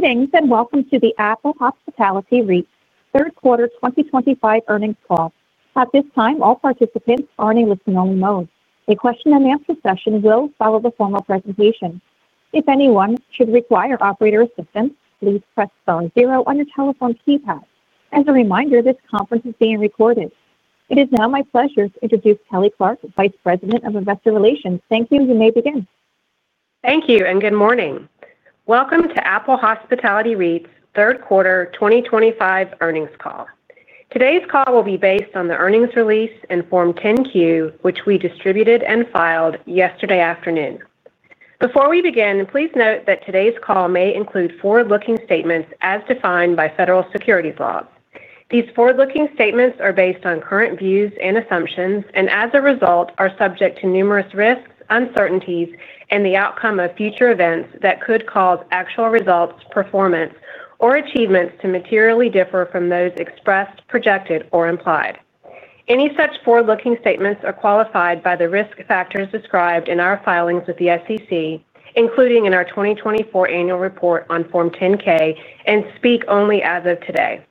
Greetings and welcome to the Apple Hospitality REIT's third-quarter 2025 earnings call. At this time, all participants are in a listen-only mode. A question-and-answer session will follow the formal presentation. If anyone should require operator assistance, please press star zero on your telephone keypad. As a reminder, this conference is being recorded. It is now my pleasure to introduce Kelly Clarke, Vice President of Investor Relations. Thank you, you may begin. Thank you, and good morning. Welcome to Apple Hospitality REIT's third-quarter 2025 earnings call. Today's call will be based on the earnings release in Form 10-Q, which we distributed and filed yesterday afternoon. Before we begin, please note that today's call may include forward-looking statements as defined by federal securities law. These forward-looking statements are based on current views and assumptions, and as a result, are subject to numerous risks, uncertainties, and the outcome of future events that could cause actual results, performance, or achievements to materially differ from those expressed, projected, or implied. Any such forward-looking statements are qualified by the risk factors described in our filings with the SEC, including in our 2024 annual report on Form 10-K, and speak only as of today.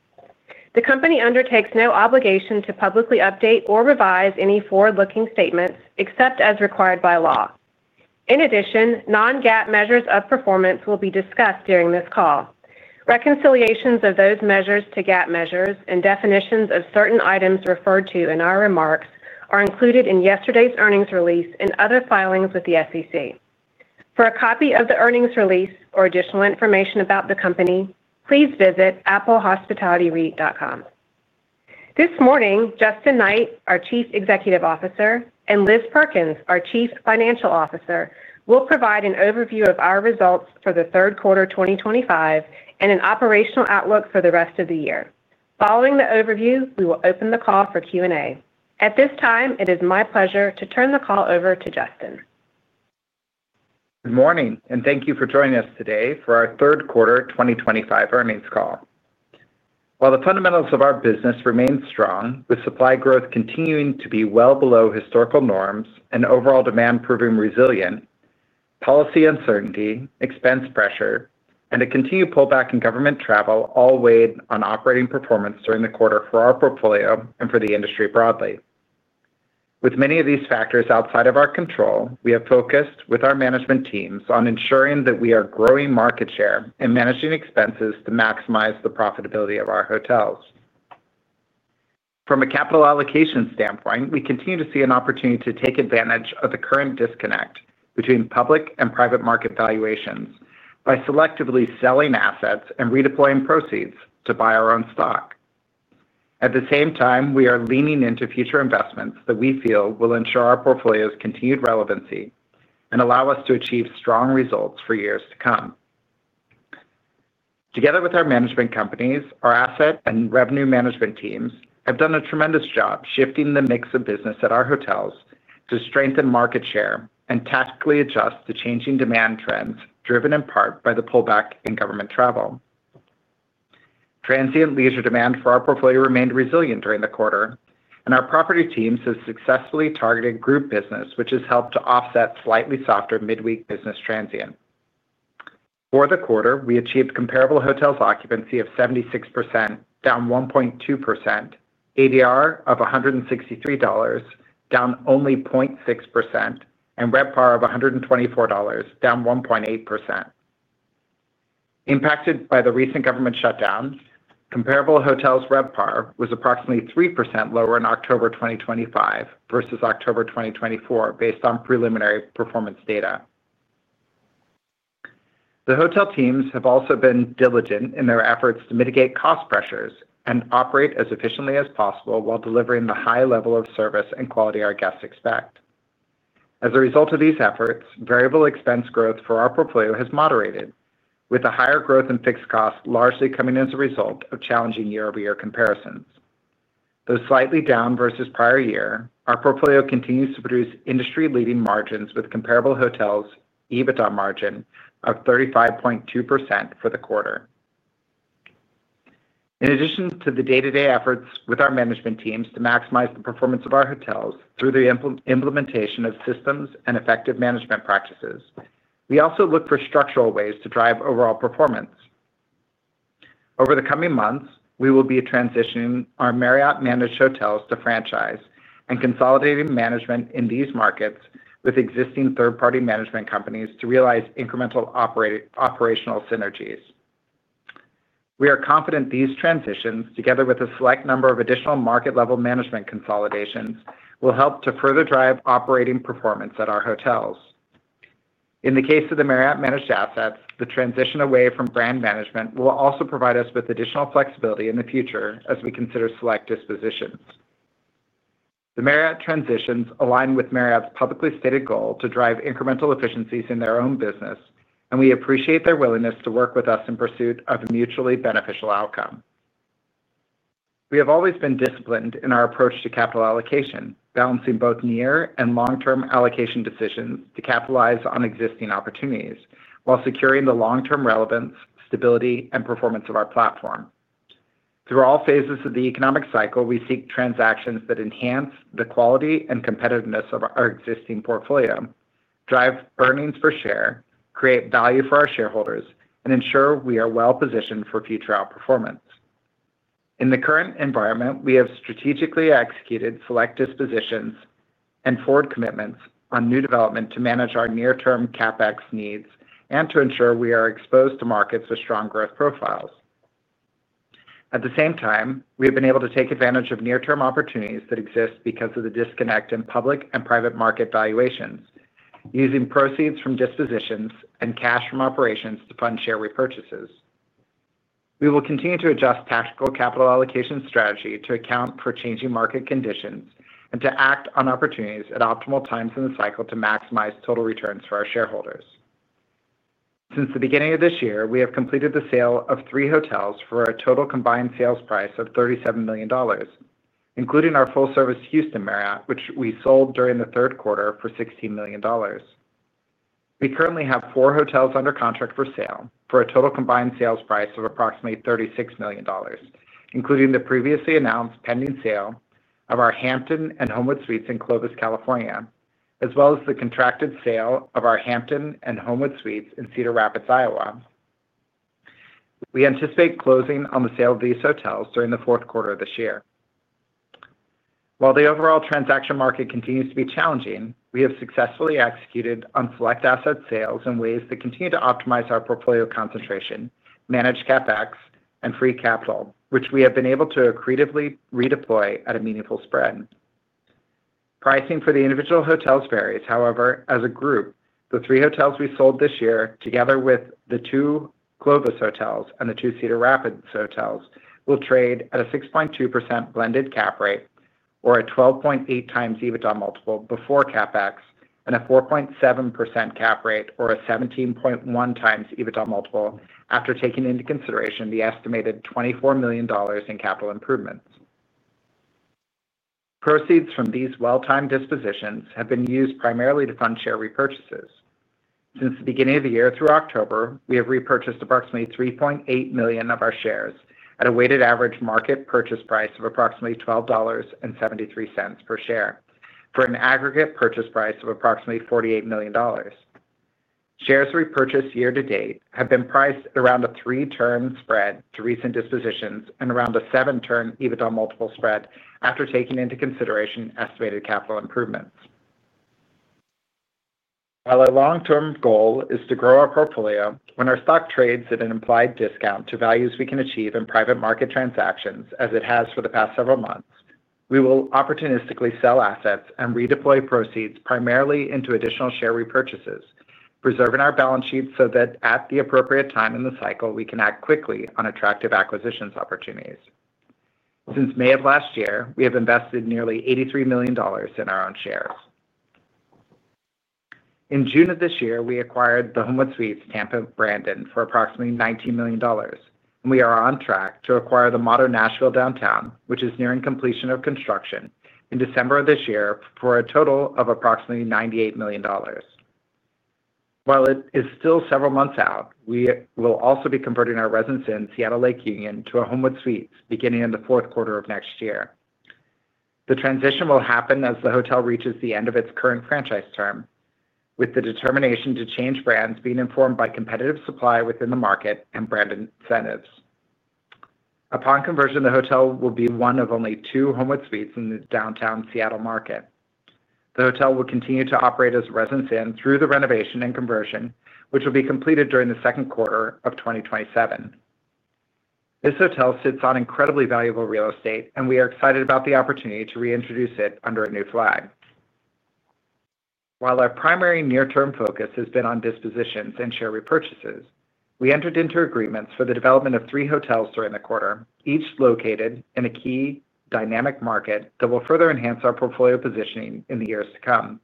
The company undertakes no obligation to publicly update or revise any forward-looking statements except as required by law. In addition, non-GAAP measures of performance will be discussed during this call. Reconciliations of those measures to GAAP measures and definitions of certain items referred to in our remarks are included in yesterday's earnings release and other filings with the SEC. For a copy of the earnings release or additional information about the company, please visit applehospitalityreit.com. This morning, Justin Knight, our Chief Executive Officer, and Liz Perkins, our Chief Financial Officer, will provide an overview of our results for the third quarter 2025 and an operational outlook for the rest of the year. Following the overview, we will open the call for Q&A. At this time, it is my pleasure to turn the call over to Justin. Good morning, and thank you for joining us today for our third-quarter 2025 earnings call. While the fundamentals of our business remain strong, with supply growth continuing to be well below historical norms and overall demand proving resilient, policy uncertainty, expense pressure, and a continued pullback in government travel all weighed on operating performance during the quarter for our portfolio and for the industry broadly. With many of these factors outside of our control, we have focused with our management teams on ensuring that we are growing market share and managing expenses to maximize the profitability of our hotels. From a capital allocation standpoint, we continue to see an opportunity to take advantage of the current disconnect between public and private market valuations by selectively selling assets and redeploying proceeds to buy our own stock. At the same time, we are leaning into future investments that we feel will ensure our portfolio's continued relevancy and allow us to achieve strong results for years to come. Together with our management companies, our asset and revenue management teams have done a tremendous job shifting the mix of business at our hotels to strengthen market share and tactically adjust to changing demand trends driven in part by the pullback in government travel. Transient leisure demand for our portfolio remained resilient during the quarter, and our property teams have successfully targeted group business, which has helped to offset slightly softer midweek business transient. For the quarter, we achieved comparable hotels' occupancy of 76%, down 1.2%, ADR of $163, down only 0.6%, and RevPAR of $124, down 1.8%. Impacted by the recent government shutdown, comparable hotels' RevPAR was approximately 3% lower in October 2025 versus October 2024, based on preliminary performance data. The hotel teams have also been diligent in their efforts to mitigate cost pressures and operate as efficiently as possible while delivering the high level of service and quality our guests expect. As a result of these efforts, variable expense growth for our portfolio has moderated, with the higher growth in fixed costs largely coming as a result of challenging year-over-year comparisons. Though slightly down versus prior year, our portfolio continues to produce industry-leading margins with comparable hotels' EBITDA margin of 35.2% for the quarter. In addition to the day-to-day efforts with our management teams to maximize the performance of our hotels through the implementation of systems and effective management practices, we also look for structural ways to drive overall performance. Over the coming months, we will be transitioning our Marriott-managed hotels to franchise and consolidating management in these markets with existing third-party management companies to realize incremental operational synergies. We are confident these transitions, together with a select number of additional market-level management consolidations, will help to further drive operating performance at our hotels. In the case of the Marriott-managed assets, the transition away from brand management will also provide us with additional flexibility in the future as we consider select dispositions. The Marriott transitions align with Marriott's publicly stated goal to drive incremental efficiencies in their own business, and we appreciate their willingness to work with us in pursuit of a mutually beneficial outcome. We have always been disciplined in our approach to capital allocation, balancing both near and long-term allocation decisions to capitalize on existing opportunities while securing the long-term relevance, stability, and performance of our platform. Through all phases of the economic cycle, we seek transactions that enhance the quality and competitiveness of our existing portfolio, drive earnings per share, create value for our shareholders, and ensure we are well-positioned for future outperformance. In the current environment, we have strategically executed select dispositions and forward commitments on new development to manage our near-term CapEx needs and to ensure we are exposed to markets with strong growth profiles. At the same time, we have been able to take advantage of near-term opportunities that exist because of the disconnect in public and private market valuations, using proceeds from dispositions and cash from operations to fund share repurchases. We will continue to adjust tactical capital allocation strategy to account for changing market conditions and to act on opportunities at optimal times in the cycle to maximize total returns for our shareholders. Since the beginning of this year, we have completed the sale of three hotels for a total combined sales price of $37 million, including our full-service Houston Marriott, which we sold during the third quarter for $16 million. We currently have four hotels under contract for sale for a total combined sales price of approximately $36 million, including the previously announced pending sale of our Hampton and Homewood Suites in Clovis, California, as well as the contracted sale of our Hampton and Homewood Suites in Cedar Rapids, Iowa. We anticipate closing on the sale of these hotels during the fourth quarter of this year. While the overall transaction market continues to be challenging, we have successfully executed on select asset sales in ways that continue to optimize our portfolio concentration, manage CapEx, and free capital, which we have been able to accretively redeploy at a meaningful spread. Pricing for the individual hotels varies. However, as a group, the three hotels we sold this year, together with the two Clovis hotels and the two Cedar Rapids hotels, will trade at a 6.2% blended cap rate or a 12.8x EBITDA multiple before CapEx and a 4.7% cap rate or a 17.1x EBITDA multiple after taking into consideration the estimated $24 million in capital improvements. Proceeds from these well-timed dispositions have been used primarily to fund share repurchases. Since the beginning of the year through October, we have repurchased approximately 3.8 million of our shares at a weighted average market purchase price of approximately $12.73 per share for an aggregate purchase price of approximately $48 million. Shares repurchased year-to-date have been priced at around a 3-turn spread to recent dispositions and around a 7-turn EBITDA multiple spread after taking into consideration estimated capital improvements. While our long-term goal is to grow our portfolio when our stock trades at an implied discount to values we can achieve in private market transactions as it has for the past several months, we will opportunistically sell assets and redeploy proceeds primarily into additional share repurchases, preserving our balance sheet so that at the appropriate time in the cycle, we can act quickly on attractive acquisitions opportunities. Since May of last year, we have invested nearly $83 million in our own shares. In June of this year, we acquired the Homewood Suites Tampa Brandon for approximately $19 million, and we are on track to acquire the Motto by Hilton Nashville, which is nearing completion of construction in December of this year for a total of approximately $98 million. While it is still several months out, we will also be converting our Residence Inn Seattle Lake Union to a Homewood Suites beginning in the fourth quarter of next year. The transition will happen as the hotel reaches the end of its current franchise term, with the determination to change brands being informed by competitive supply within the market and brand incentives. Upon conversion, the hotel will be one of only two Homewood Suites in the downtown Seattle market. The hotel will continue to operate as a Residence Inn through the renovation and conversion, which will be completed during the second quarter of 2027. This hotel sits on incredibly valuable real estate, and we are excited about the opportunity to reintroduce it under a new flag. While our primary near-term focus has been on dispositions and share repurchases, we entered into agreements for the development of three hotels during the quarter, each located in a key dynamic market that will further enhance our portfolio positioning in the years to come.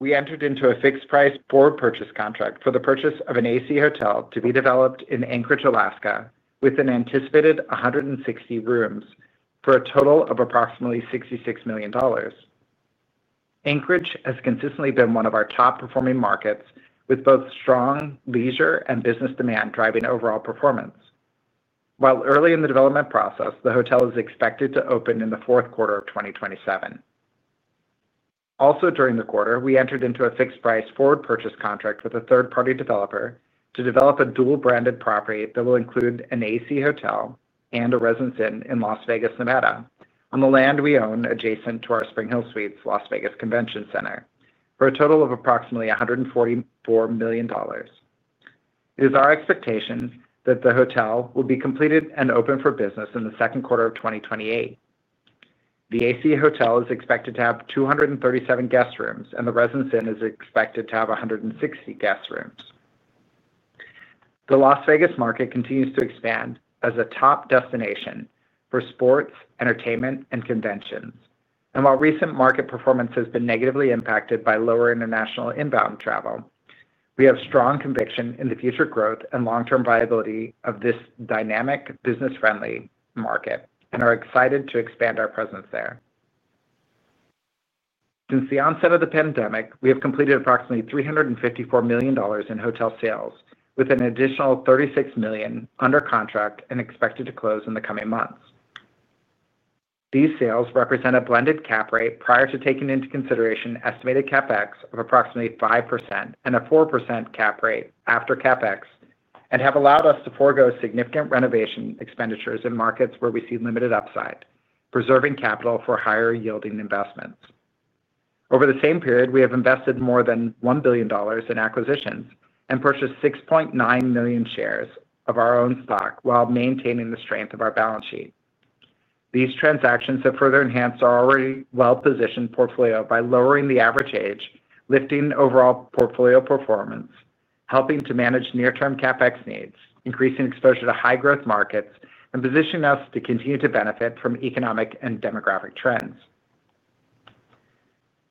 We entered into a fixed-price forward purchase contract for the purchase of an AC Hotel to be developed in Anchorage, Alaska, with an anticipated 160 rooms for a total of approximately $66 million. Anchorage has consistently been one of our top-performing markets, with both strong leisure and business demand driving overall performance. While early in the development process, the hotel is expected to open in the fourth quarter of 2027. Also, during the quarter, we entered into a fixed-price forward purchase contract with a third-party developer to develop a dual-branded property that will include an AC Hotel and a Residence Inn Las Vegas, Nevada, on the land we own adjacent to our SpringHill Suites Las Vegas Convention Center for a total of approximately $144 million. It is our expectation that the hotel will be completed and open for business in the second quarter of 2028. The AC Hotel is expected to have 237 guest rooms, and the Residence Inn is expected to have 160 guest rooms. The Las Vegas market continues to expand as a top destination for sports, entertainment, and conventions. And while recent market performance has been negatively impacted by lower international inbound travel, we have strong conviction in the future growth and long-term viability of this dynamic, business-friendly market and are excited to expand our presence there. Since the onset of the pandemic, we have completed approximately $354 million in hotel sales, with an additional $36 million under contract and expected to close in the coming months. These sales represent a blended cap rate prior to taking into consideration estimated CapEx of approximately 5% and a 4% cap rate after CapEx and have allowed us to forgo significant renovation expenditures in markets where we see limited upside, preserving capital for higher-yielding investments. Over the same period, we have invested more than $1 billion in acquisitions and purchased 6.9 million shares of our own stock while maintaining the strength of our balance sheet. These transactions have further enhanced our already well-positioned portfolio by lowering the average age, lifting overall portfolio performance, helping to manage near-term CapEx needs, increasing exposure to high-growth markets, and positioning us to continue to benefit from economic and demographic trends.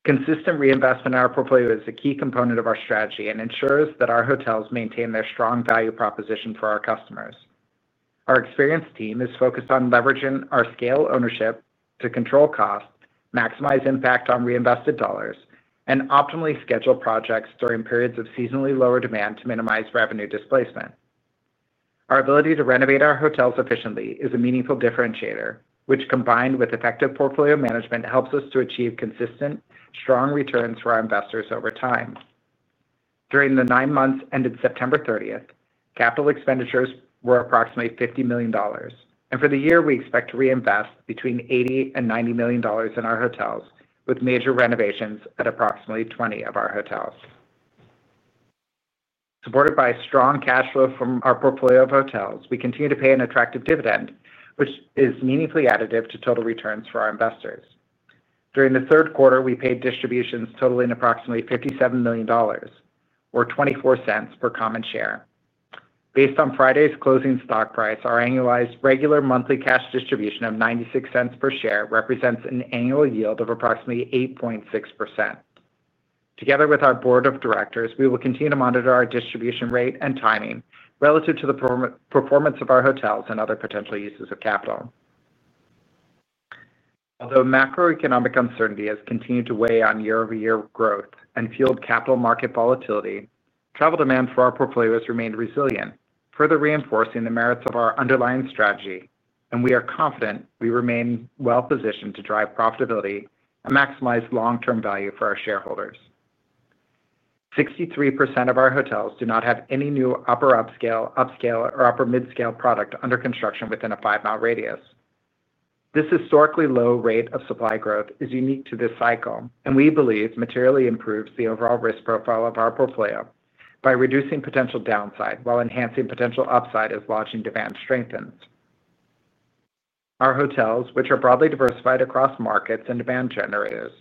Consistent reinvestment in our portfolio is a key component of our strategy and ensures that our hotels maintain their strong value proposition for our customers. Our experienced team is focused on leveraging our scale ownership to control costs, maximize impact on reinvested dollars, and optimally schedule projects during periods of seasonally lower demand to minimize revenue displacement. Our ability to renovate our hotels efficiently is a meaningful differentiator, which, combined with effective portfolio management, helps us to achieve consistent, strong returns for our investors over time. During the nine months ended September 30th, capital expenditures were approximately $50 million, and for the year, we expect to reinvest between $80 and $90 million in our hotels, with major renovations at approximately $20 million of our hotels. Supported by strong cash flow from our portfolio of hotels, we continue to pay an attractive dividend, which is meaningfully additive to total returns for our investors. During the third quarter, we paid distributions totaling approximately $57 million, or $0.24 per common share. Based on Friday's closing stock price, our annualized regular monthly cash distribution of $0.96 per share represents an annual yield of approximately 8.6%. Together with our board of directors, we will continue to monitor our distribution rate and timing relative to the performance of our hotels and other potential uses of capital. Although macroeconomic uncertainty has continued to weigh on year-over-year growth and fueled capital market volatility, travel demand for our portfolios remained resilient, further reinforcing the merits of our underlying strategy, and we are confident we remain well-positioned to drive profitability and maximize long-term value for our shareholders. 63% of our hotels do not have any new upper-upscale, upscale, or upper-midscale product under construction within a five-mile radius. This historically low rate of supply growth is unique to this cycle, and we believe materially improves the overall risk profile of our portfolio by reducing potential downside while enhancing potential upside as lodging demand strengthens. Our hotels, which are broadly diversified across markets and demand generators,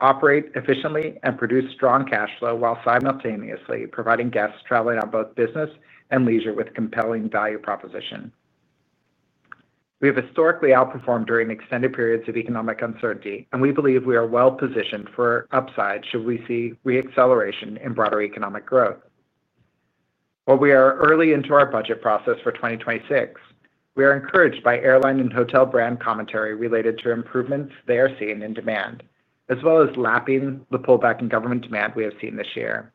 operate efficiently and produce strong cash flow while simultaneously providing guests traveling on both business and leisure with compelling value proposition. We have historically outperformed during extended periods of economic uncertainty, and we believe we are well-positioned for upside should we see re-acceleration in broader economic growth. While we are early into our budget process for 2026, we are encouraged by airline and hotel brand commentary related to improvements they are seeing in demand, as well as lapping the pullback in government demand we have seen this year.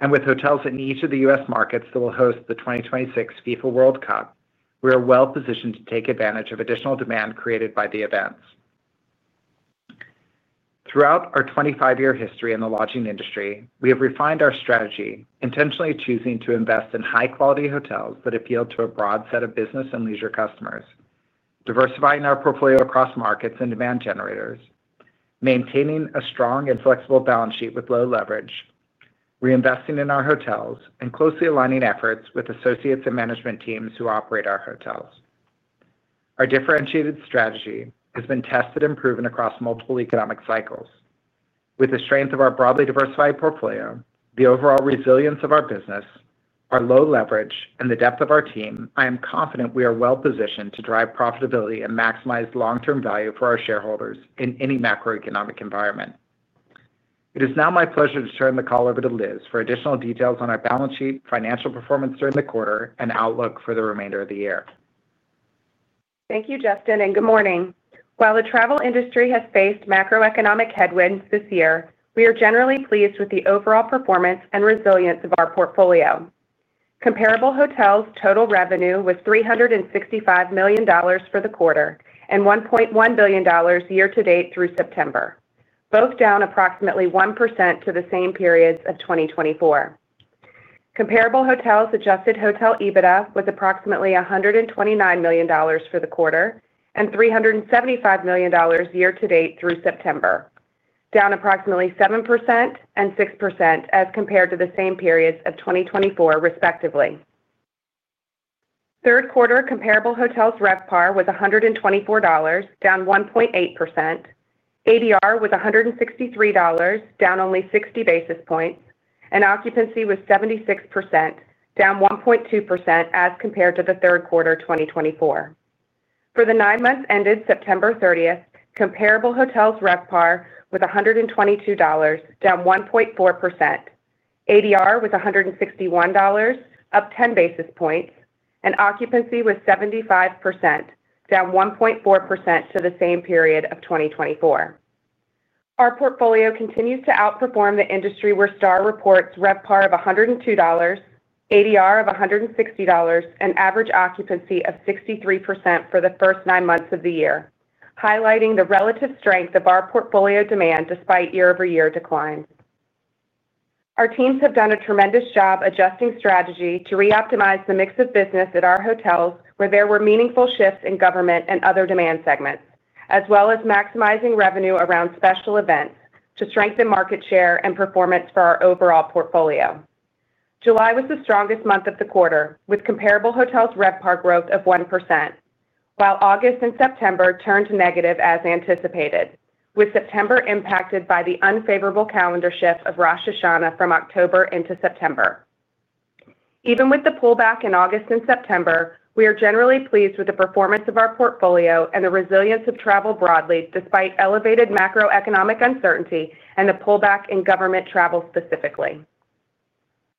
And with hotels in each of the U.S. markets that will host the 2026 FIFA World Cup, we are well-positioned to take advantage of additional demand created by the events. Throughout our 25-year history in the lodging industry, we have refined our strategy, intentionally choosing to invest in high-quality hotels that appeal to a broad set of business and leisure customers, diversifying our portfolio across markets and demand generators, maintaining a strong and flexible balance sheet with low leverage, reinvesting in our hotels, and closely aligning efforts with associates and management teams who operate our hotels. Our differentiated strategy has been tested and proven across multiple economic cycles. With the strength of our broadly diversified portfolio, the overall resilience of our business, our low leverage, and the depth of our team, I am confident we are well-positioned to drive profitability and maximize long-term value for our shareholders in any macroeconomic environment. It is now my pleasure to turn the call over to Liz for additional details on our balance sheet, financial performance during the quarter, and outlook for the remainder of the year. Thank you, Justin, and good morning. While the travel industry has faced macroeconomic headwinds this year, we are generally pleased with the overall performance and resilience of our portfolio. Comparable Hotels' total revenue was $365 million for the quarter and $1.1 billion year-to-date through September, both down approximately 1% to the same periods of 2023. Comparable Hotels adjusted hotel EBITDA was approximately $129 million for the quarter and $375 million year-to-date through September. Down approximately 7% and 6% as compared to the same periods of 2023, respectively. Third quarter, Comparable Hotels' RevPAR was $124, down 1.8%. ADR was $163, down only 60 basis points, and occupancy was 76%, down 1.2% as compared to the third quarter 2023. For the nine months ended September 30th, Comparable Hotels' RevPAR was $122, down 1.4%. ADR was $161. Up 10 basis points, and occupancy was 75%, down 1.4% to the same period of 2023. Our portfolio continues to outperform the industry where STR reports RevPAR of $102. ADR of $160, and average occupancy of 63% for the first nine months of the year, highlighting the relative strength of our portfolio demand despite year-over-year declines. Our teams have done a tremendous job adjusting strategy to reoptimize the mix of business at our hotels where there were meaningful shifts in government and other demand segments, as well as maximizing revenue around special events to strengthen market share and performance for our overall portfolio. July was the strongest month of the quarter, with Comparable Hotels' RevPAR growth of 1%, while August and September turned negative as anticipated, with September impacted by the unfavorable calendar shift of Rosh Hashanah from October into September. Even with the pullback in August and September, we are generally pleased with the performance of our portfolio and the resilience of travel broadly despite elevated macroeconomic uncertainty and the pullback in government travel specifically.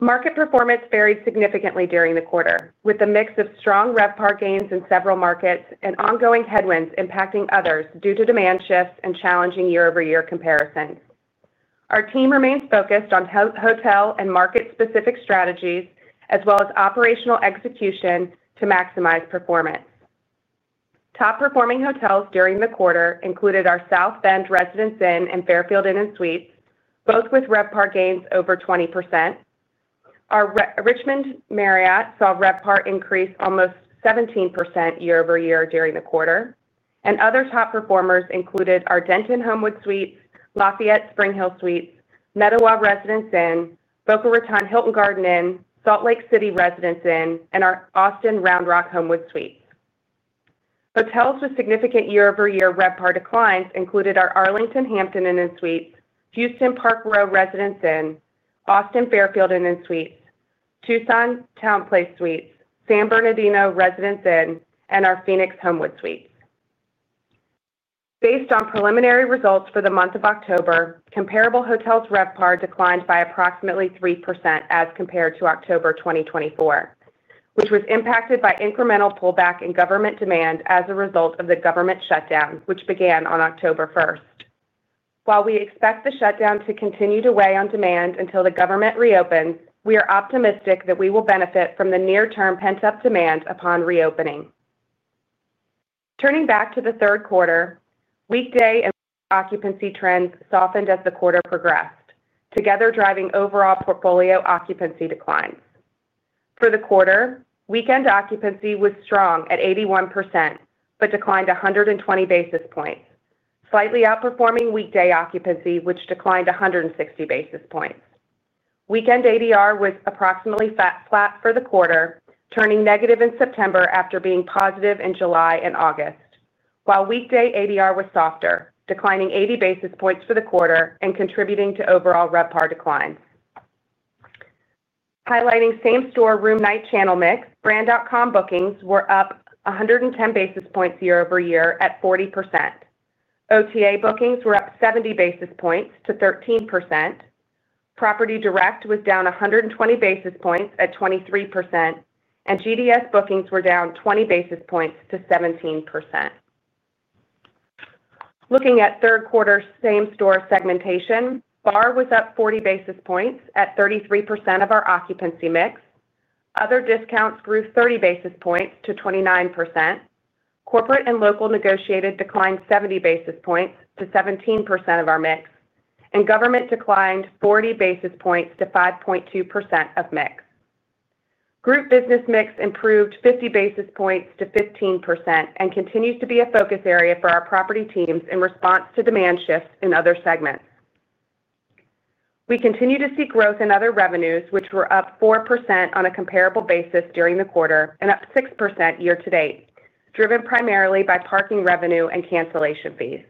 Market performance varied significantly during the quarter, with a mix of strong RevPAR gains in several markets and ongoing headwinds impacting others due to demand shifts and challenging year-over-year comparisons. Our team remains focused on hotel and market-specific strategies, as well as operational execution to maximize performance. Top-performing hotels during the quarter included our South Bend Residence Inn and Fairfield Inn & Suites, both with RevPAR gains over 20%. Our Richmond Marriott saw RevPAR increase almost 17% year-over-year during the quarter, and other top performers included our Denton Homewood Suites, Lafayette SpringHill Suites, Nettowell Residence Inn, Boca Raton Hilton Garden Inn, Salt Lake City Residence Inn, and our Austin Round Rock Homewood Suites. Hotels with significant year-over-year RevPAR declines included our Arlington Hampton Inn & Suites, Houston Park Row Residence Inn, Austin Fairfield Inn & Suites, Tucson TownPlace Suites, San Bernardino Residence Inn, and our Phoenix Homewood Suites. Based on preliminary results for the month of October, Comparable Hotels' RevPAR declined by approximately 3% as compared to October 2024, which was impacted by incremental pullback in government demand as a result of the government shutdown, which began on October 1st. While we expect the shutdown to continue to weigh on demand until the government reopens, we are optimistic that we will benefit from the near-term pent-up demand upon reopening. Turning back to the third quarter, weekday and occupancy trends softened as the quarter progressed, together driving overall portfolio occupancy declines. For the quarter, weekend occupancy was strong at 81% but declined 120 basis points, slightly outperforming weekday occupancy, which declined 160 basis points. Weekend ADR was approximately flat for the quarter, turning negative in September after being positive in July and August, while weekday ADR was softer, declining 80 basis points for the quarter and contributing to overall RevPAR declines. Highlighting same-store room-night channel mix, brand.com bookings were up 110 basis points year-over-year at 40%. OTA bookings were up 70 basis points to 13%. PropertyDirect was down 120 basis points at 23%, and GDS bookings were down 20 basis points to 17%. Looking at third quarter same-store segmentation, bar was up 40 basis points at 33% of our occupancy mix. Other discounts grew 30 basis points to 29%. Corporate and local negotiated declined 70 basis points to 17% of our mix, and government declined 40 basis points to 5.2% of mix. Group business mix improved 50 basis points to 15% and continues to be a focus area for our property teams in response to demand shifts in other segments. We continue to see growth in other revenues, which were up 4% on a comparable basis during the quarter and up 6% year-to-date, driven primarily by parking revenue and cancellation fees.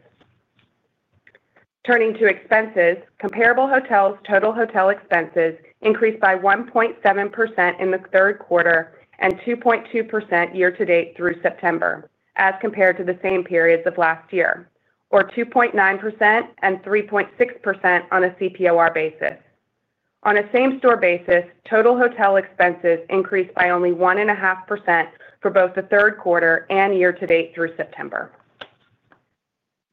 Turning to expenses, Comparable Hotels' total hotel expenses increased by 1.7% in the third quarter and 2.2% year-to-date through September as compared to the same periods of last year, or 2.9% and 3.6% on a CPOR basis. On a same-store basis, total hotel expenses increased by only 1.5% for both the third quarter and year-to-date through September.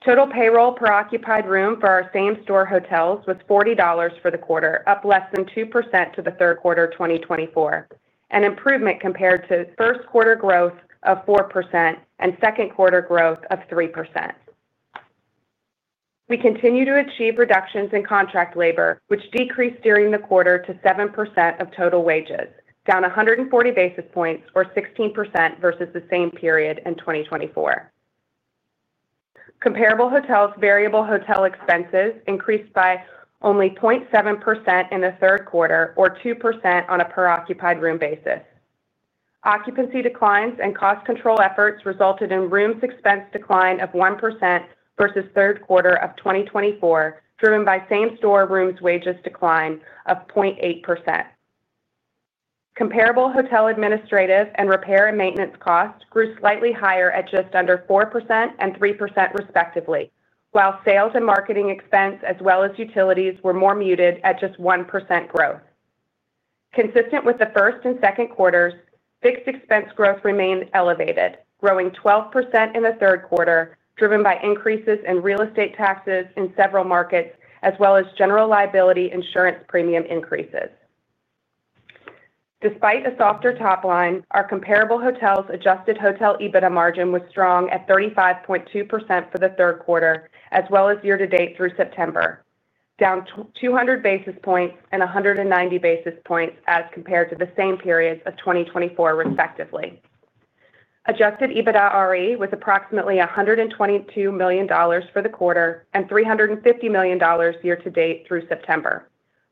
Total payroll per occupied room for our same-store hotels was $40 for the quarter, up less than 2% to the third quarter 2024, an improvement compared to first-quarter growth of 4% and second-quarter growth of 3%. We continue to achieve reductions in contract labor, which decreased during the quarter to 7% of total wages, down 140 basis points, or 16% versus the same period in 2024. Comparable Hotels' variable hotel expenses increased by only 0.7% in the third quarter, or 2% on a per-occupied room basis. Occupancy declines and cost control efforts resulted in rooms expense decline of 1% versus third quarter of 2024, driven by same-store rooms wages decline of 0.8%. Comparable Hotel administrative and repair and maintenance costs grew slightly higher at just under 4% and 3%, respectively, while sales and marketing expense, as well as utilities, were more muted at just 1% growth. Consistent with the first and second quarters, fixed expense growth remained elevated, growing 12% in the third quarter, driven by increases in real estate taxes in several markets, as well as general liability insurance premium increases. Despite a softer top line, our Comparable Hotels' adjusted hotel EBITDA margin was strong at 35.2% for the third quarter, as well as year-to-date through September, down 200 basis points and 190 basis points as compared to the same periods of 2024, respectively. Adjusted EBITDA RE was approximately $122 million for the quarter and $350 million year-to-date through September,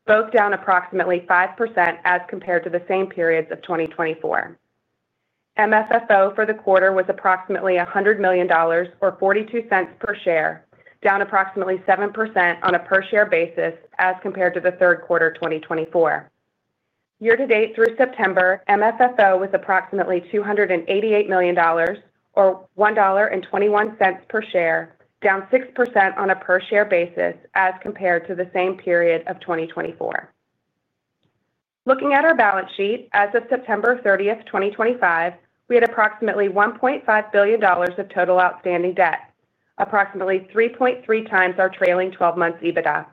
both down approximately 5% as compared to the same periods of 2024. MFFO for the quarter was approximately $100 million, or $0.42 per share, down approximately 7% on a per-share basis as compared to the third quarter 2024. Year-to-date through September, MFFO was approximately $288 million, or $1.21 per share, down 6% on a per-share basis as compared to the same period of 2024. Looking at our balance sheet, as of September 30th, 2025, we had approximately $1.5 billion of total outstanding debt, approximately 3.3x our trailing 12-month EBITDA,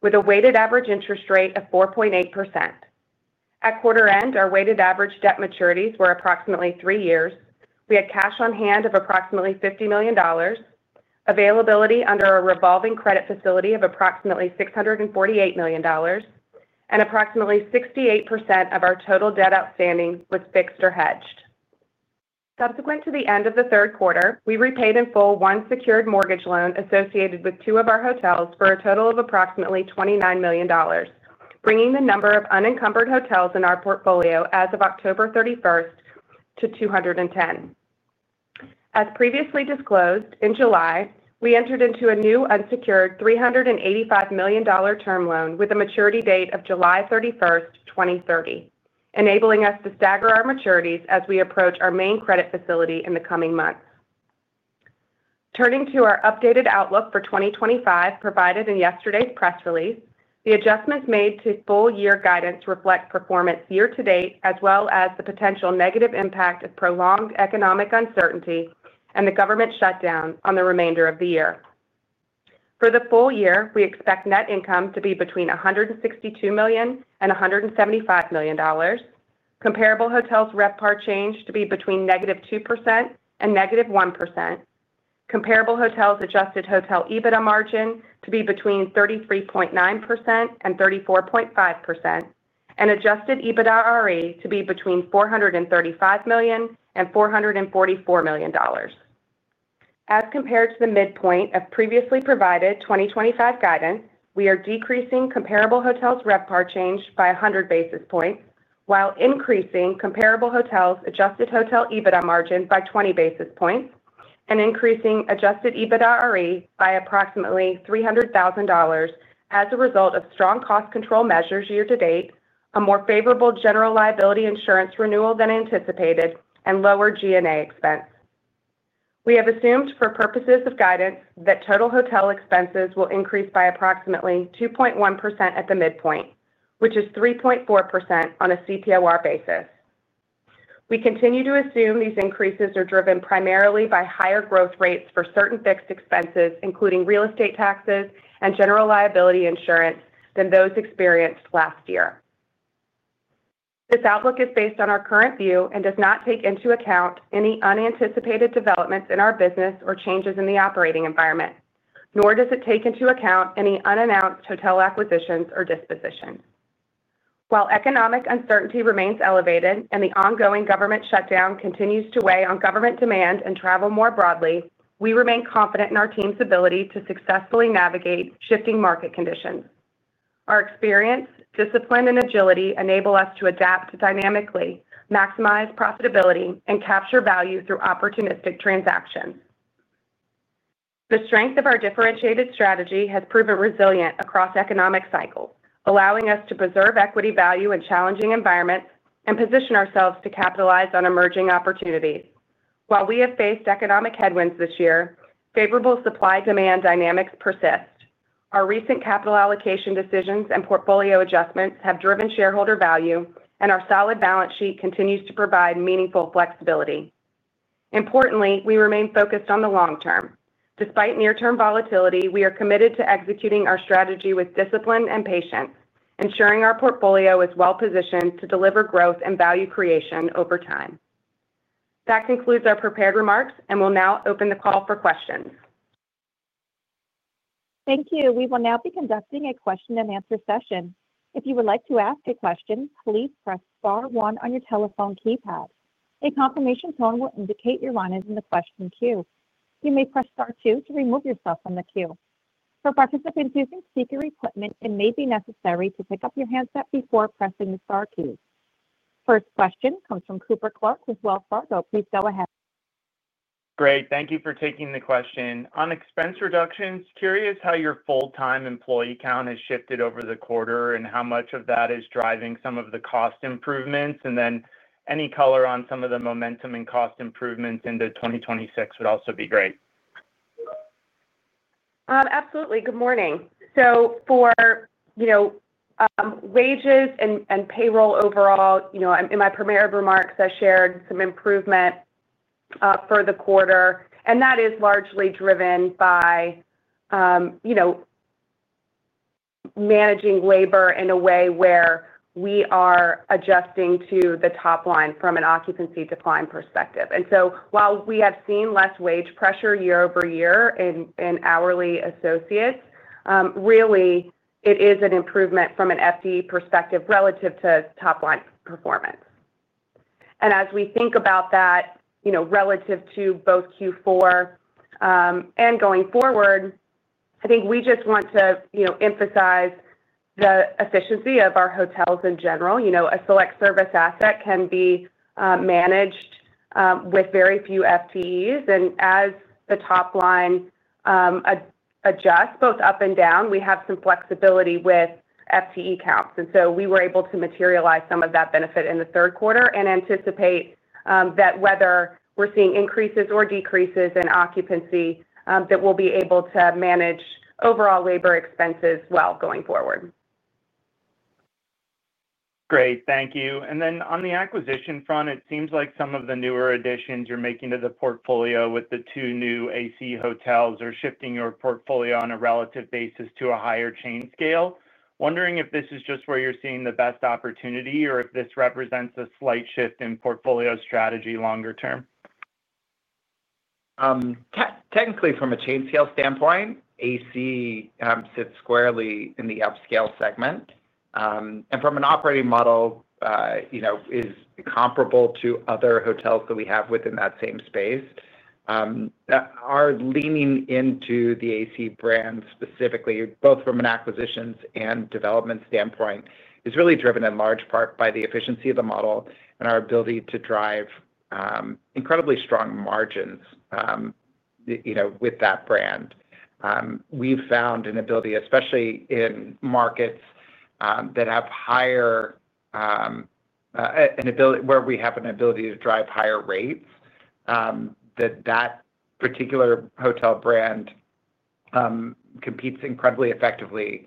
with a weighted average interest rate of 4.8%. At quarter end, our weighted average debt maturities were approximately three years. We had cash on hand of approximately $50 million. Availability under a revolving credit facility of approximately $648 million, and approximately 68% of our total debt outstanding was fixed or hedged. Subsequent to the end of the third quarter, we repaid in full one secured mortgage loan associated with two of our hotels for a total of approximately $29 million, bringing the number of unencumbered hotels in our portfolio as of October 31st to 210. As previously disclosed in July, we entered into a new unsecured $385 million term loan with a maturity date of July 31st, 2030, enabling us to stagger our maturities as we approach our main credit facility in the coming months. Turning to our updated outlook for 2025, provided in yesterday's press release, the adjustments made to full-year guidance reflect performance year-to-date, as well as the potential negative impact of prolonged economic uncertainty and the government shutdown on the remainder of the year. For the full year, we expect net income to be between $162 million and $175 million. Comparable Hotels' RevPAR change to be between negative 2% and negative 1%. Comparable Hotels' adjusted hotel EBITDA margin to be between 33.9% and 34.5%, and adjusted EBITDA RE to be between $435 million and $444 million. As compared to the midpoint of previously provided 2025 guidance, we are decreasing Comparable Hotels' RevPAR change by 100 basis points, while increasing Comparable Hotels' adjusted hotel EBITDA margin by 20 basis points and increasing adjusted EBITDA RE by approximately $300,000 as a result of strong cost control measures year-to-date, a more favorable general liability insurance renewal than anticipated, and lower G&A expense. We have assumed for purposes of guidance that total hotel expenses will increase by approximately 2.1% at the midpoint, which is 3.4% on a CPOR basis. We continue to assume these increases are driven primarily by higher growth rates for certain fixed expenses, including real estate taxes and general liability insurance, than those experienced last year. This outlook is based on our current view and does not take into account any unanticipated developments in our business or changes in the operating environment, nor does it take into account any unannounced hotel acquisitions or dispositions. While economic uncertainty remains elevated and the ongoing government shutdown continues to weigh on government demand and travel more broadly, we remain confident in our team's ability to successfully navigate shifting market conditions. Our experience, discipline, and agility enable us to adapt dynamically, maximize profitability, and capture value through opportunistic transactions. The strength of our differentiated strategy has proven resilient across economic cycles, allowing us to preserve equity value in challenging environments and position ourselves to capitalize on emerging opportunities. While we have faced economic headwinds this year, favorable supply-demand dynamics persist. Our recent capital allocation decisions and portfolio adjustments have driven shareholder value, and our solid balance sheet continues to provide meaningful flexibility. Importantly, we remain focused on the long term. Despite near-term volatility, we are committed to executing our strategy with discipline and patience, ensuring our portfolio is well-positioned to deliver growth and value creation over time. That concludes our prepared remarks, and we'll now open the call for questions. Thank you. We will now be conducting a question-and-answer session. If you would like to ask a question, please press Star 1 on your telephone keypad. A confirmation tone will indicate your line is in the question queue. You may press Star 2 to remove yourself from the queue. For participants using speaker equipment, it may be necessary to pick up your handset before pressing the Star key. First question comes from Cooper Clarke with Wells Fargo. Please go ahead. Great. Thank you for taking the question. On expense reductions, curious how your full-time employee count has shifted over the quarter and how much of that is driving some of the cost improvements. And then any color on some of the momentum and cost improvements into 2026 would also be great. Absolutely. Good morning. So for wages and payroll overall, in my prepared remarks, I shared some improvement for the quarter, and that is largely driven by managing labor in a way where we are adjusting to the top line from an occupancy decline perspective. And so while we have seen less wage pressure year-over-year in hourly associates, really, it is an improvement from an FTE perspective relative to top-line performance. And as we think about that relative to both Q4 and going forward, I think we just want to emphasize the efficiency of our hotels in general. A select service asset can be managed with very few FTEs. And as the top line adjusts both up and down, we have some flexibility with FTE counts. And so we were able to materialize some of that benefit in the third quarter and anticipate that whether we're seeing increases or decreases in occupancy that we'll be able to manage overall labor expenses well going forward. Great. Thank you. And then on the acquisition front, it seems like some of the newer additions you're making to the portfolio with the two new AC Hotels are shifting your portfolio on a relative basis to a higher chain scale. Wondering if this is just where you're seeing the best opportunity or if this represents a slight shift in portfolio strategy longer term. Technically, from a chain scale standpoint, AC sits squarely in the upscale segment. And from an operating model, it is comparable to other hotels that we have within that same space. Our leaning into the AC brand specifically, both from an acquisitions and development standpoint, is really driven in large part by the efficiency of the model and our ability to drive incredibly strong margins with that brand. We've found an ability, especially in markets that have higher where we have an ability to drive higher rates. That particular hotel brand competes incredibly effectively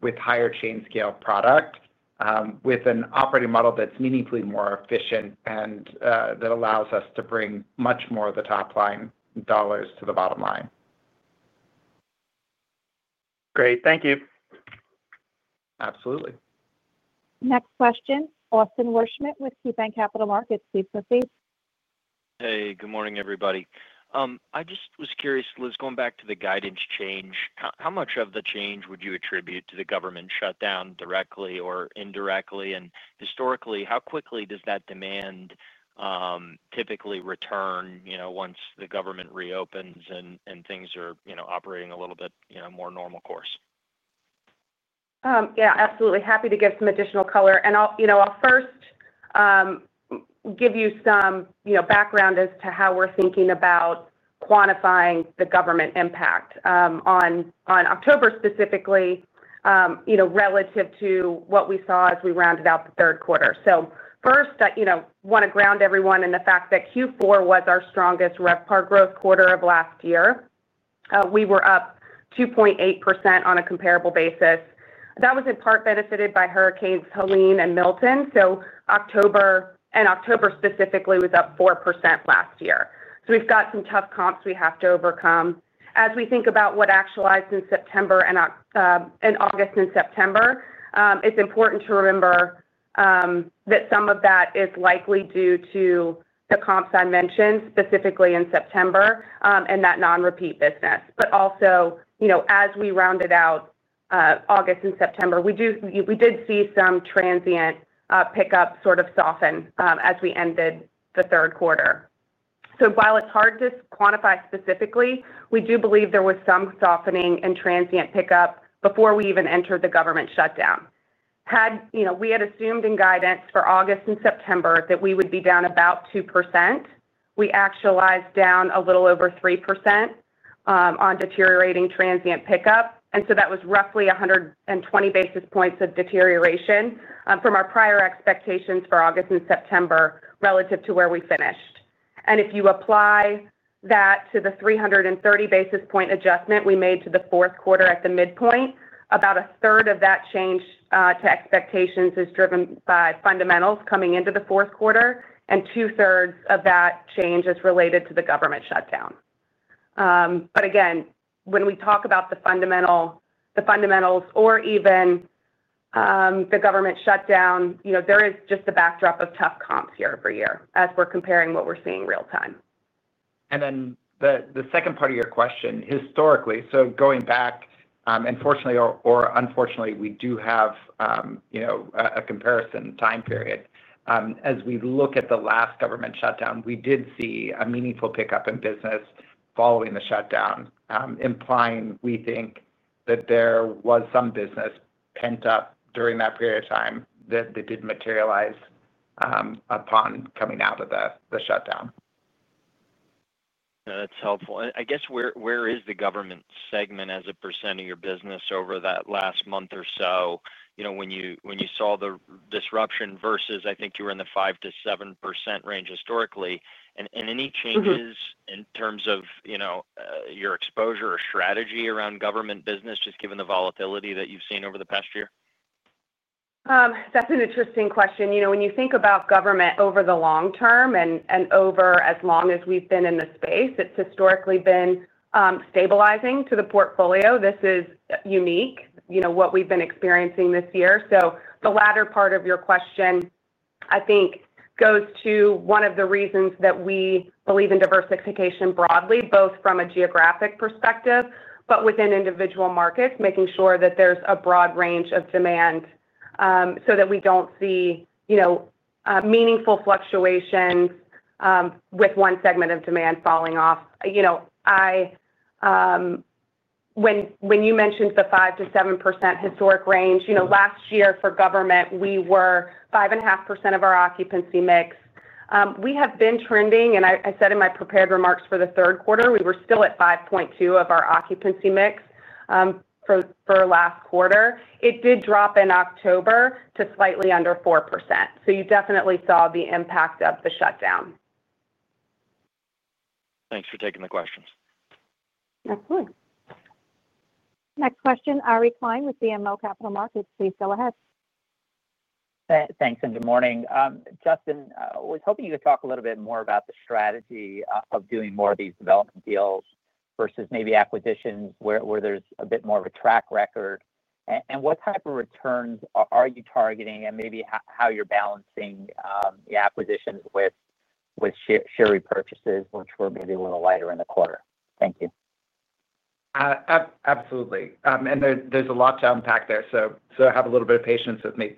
with higher chain scale product, with an operating model that's meaningfully more efficient and that allows us to bring much more of the top-line dollars to the bottom line. Great. Thank you. Absolutely. Next question, Austin Wurschmidt with KeyBanc Capital Markets, please proceed. Hey, good morning, everybody. I just was curious, Liz, going back to the guidance change, how much of the change would you attribute to the government shutdown directly or indirectly? And historically, how quickly does that demand typically return once the government reopens and things are operating a little bit more normal course? Yeah, absolutely. Happy to give some additional color. And I'll first give you some background as to how we're thinking about quantifying the government impact on October specifically relative to what we saw as we rounded out the third quarter. So first, I want to ground everyone in the fact that Q4 was our strongest RevPAR growth quarter of last year. We were up 2.8% on a comparable basis. That was in part benefited by Hurricanes Helene and Milton, so and October specifically was up 4% last year. So we've got some tough comps we have to overcome. As we think about what actualized in September and August and September, it's important to remember that some of that is likely due to the comps I mentioned, specifically in September and that non-repeat business. But also, as we rounded out August and September, we did see some transient pickup sort of soften as we ended the third quarter. So while it's hard to quantify specifically, we do believe there was some softening and transient pickup before we even entered the government shutdown. We had assumed in guidance for August and September that we would be down about 2%. We actualized down a little over 3% on deteriorating transient pickup. And so that was roughly 120 basis points of deterioration from our prior expectations for August and September relative to where we finished. And if you apply that to the 330 basis points adjustment we made to the fourth quarter at the midpoint, about a third of that change to expectations is driven by fundamentals coming into the fourth quarter, and two-thirds of that change is related to the government shutdown. But again, when we talk about the fundamentals or even the government shutdown, there is just the backdrop of tough comps year-over-year as we're comparing what we're seeing real time. And then the second part of your question, historically, so going back. Unfortunately, we do have a comparison time period. As we look at the last government shutdown, we did see a meaningful pickup in business following the shutdown. Implying we think that there was some business pent up during that period of time that didn't materialize upon coming out of the shutdown. That's helpful. I guess where is the government segment as a percent of your business over that last month or so when you saw the disruption versus I think you were in the 5%-7% range historically? And any changes in terms of your exposure or strategy around government business, just given the volatility that you've seen over the past year? That's an interesting question. When you think about government over the long term and over as long as we've been in the space, it's historically been stabilizing to the portfolio. This is unique, what we've been experiencing this year. The latter part of your question, I think, goes to one of the reasons that we believe in diversification broadly, both from a geographic perspective but within individual markets, making sure that there's a broad range of demand so that we don't see meaningful fluctuations with one segment of demand falling off. When you mentioned the 5%-7% historic range, last year for government, we were 5.5% of our occupancy mix. We have been trending, and I said in my prepared remarks for the third quarter, we were still at 5.2% of our occupancy mix for last quarter. It did drop in October to slightly under 4%. You definitely saw the impact of the shutdown. Thanks for taking the questions. Absolutely. Next question, Aryeh Klein with BMO Capital Markets, please go ahead. Thanks. Good morning. Justin, I was hoping you could talk a little bit more about the strategy of doing more of these development deals versus maybe acquisitions where there's a bit more of a track record. What type of returns are you targeting and maybe how you're balancing the acquisitions with share repurchases, which were maybe a little lighter in the quarter? Thank you. Absolutely. There's a lot to unpack there, so have a little bit of patience with me.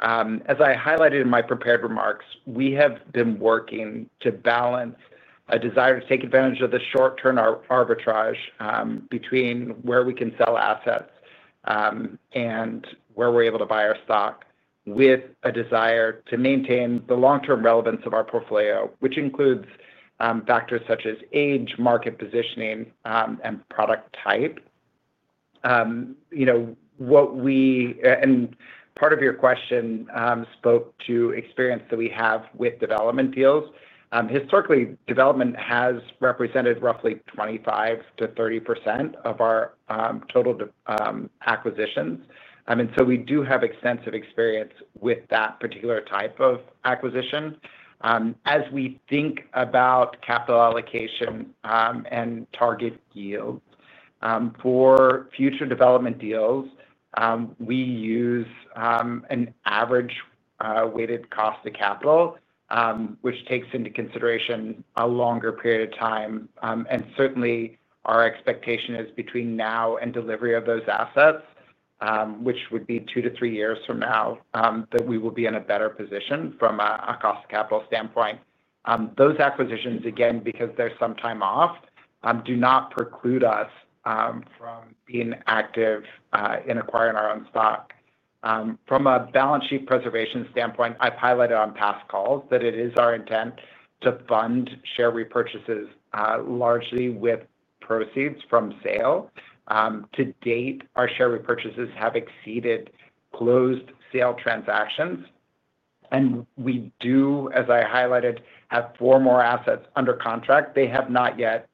As I highlighted in my prepared remarks, we have been working to balance a desire to take advantage of the short-term arbitrage between where we can sell assets and where we're able to buy our stock with a desire to maintain the long-term relevance of our portfolio, which includes factors such as age, market positioning, and product type. Part of your question spoke to experience that we have with development deals. Historically, development has represented roughly 25-30% of our total acquisitions. We do have extensive experience with that particular type of acquisition. As we think about capital allocation and target yield for future development deals, we use an average weighted cost of capital, which takes into consideration a longer period of time. And certainly, our expectation is between now and delivery of those assets, which would be two to three years from now, that we will be in a better position from a cost of capital standpoint. Those acquisitions, again, because they're sometime off, do not preclude us from being active in acquiring our own stock. From a balance sheet preservation standpoint, I've highlighted on past calls that it is our intent to fund share repurchases largely with proceeds from sale. To date, our share repurchases have exceeded closed sale transactions. And we do, as I highlighted, have four more assets under contract. They have not yet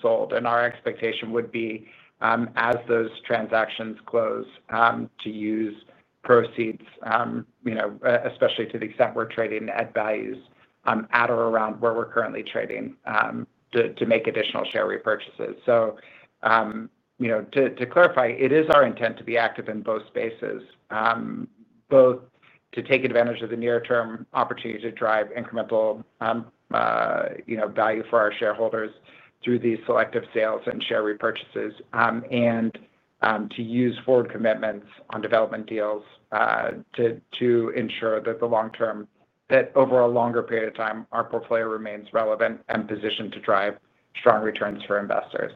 sold. And our expectation would be, as those transactions close, to use proceeds. Especially to the extent we're trading at values at or around where we're currently trading. To make additional share repurchases. So to clarify, it is our intent to be active in both spaces. Both to take advantage of the near-term opportunity to drive incremental value for our shareholders through these selective sales and share repurchases, and to use forward commitments on development deals to ensure that the long-term, that over a longer period of time, our portfolio remains relevant and positioned to drive strong returns for investors.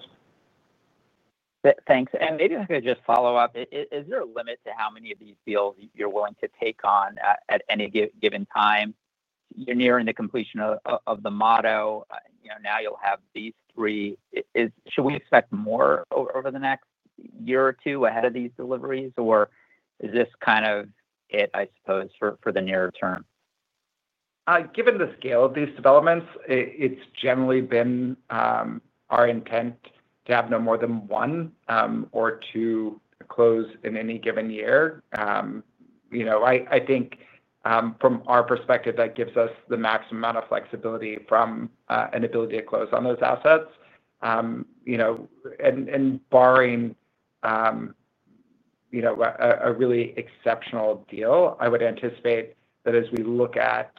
Thanks. And maybe I could just follow up. Is there a limit to how many of these deals you're willing to take on at any given time? You're nearing the completion of the Motto. Now you'll have these three. Should we expect more over the next year or two ahead of these deliveries, or is this kind of it, I suppose, for the near term? Given the scale of these developments, it's generally been our intent to have no more than one or two close in any given year. I think from our perspective, that gives us the maximum amount of flexibility from an ability to close on those assets. And barring a really exceptional deal, I would anticipate that as we look at